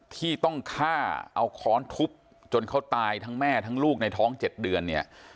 ที่ต้องฆ่าเอาค้อนทุบจนเขาตายทั้งแม่ทั้งลูกในท้อง๗เดือนเนี่ย